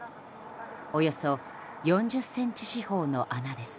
およそ４０ｃｍ四方の穴です。